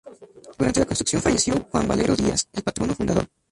Durante la construcción falleció Juan Valero Díaz, el patrono fundador.